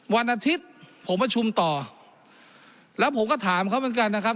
วันอาทิตย์ผมประชุมต่อแล้วผมก็ถามเขาเหมือนกันนะครับ